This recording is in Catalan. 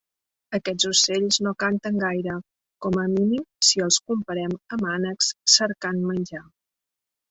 Aquests ocells no canten gaire, com a mínim si els comparem amb ànecs cercant menjar.